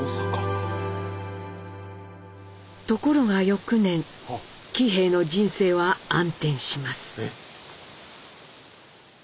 ところが翌年喜兵衛の人生は暗転します。